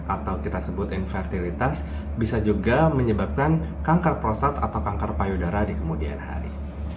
atau kita sebut invertilitas bisa juga menyebabkan kanker prostat atau kanker payudara di kemudian hari